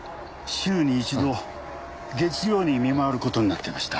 週に１度月曜に見回る事になってました。